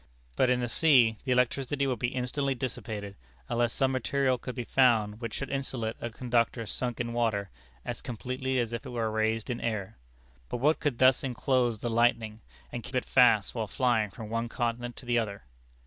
But in the sea the electricity would be instantly dissipated, unless some material could be found which should insulate a conductor sunk in water, as completely as if it were raised in air. But what could thus inclose the lightning, and keep it fast while flying from one continent to the other?